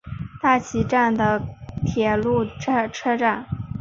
大崎站的铁路车站。